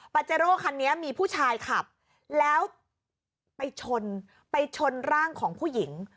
เจโร่คันนี้มีผู้ชายขับแล้วไปชนไปชนร่างของผู้หญิง